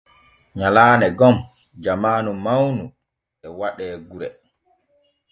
Nyalaane gom jamaanu mawnu e waɗe gure.